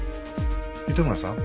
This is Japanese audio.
糸村さん